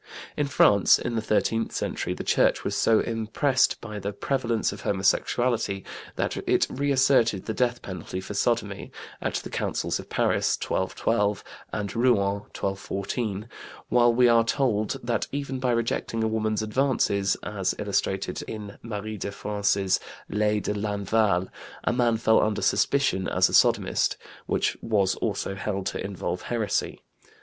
In France in the thirteenth century the Church was so impressed by the prevalence of homosexuality that it reasserted the death penalty for sodomy at the Councils of Paris (1212) and Rouen (1214), while we are told that even by rejecting a woman's advances (as illustrated in Marie de France's Lai de Lanval) a man fell under suspicion as a sodomist, which was also held to involve heresy.